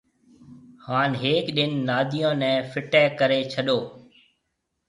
ھان ھيَََڪ ڏن ناديون نيَ ڦٽيَ ڪرَي ڇڏو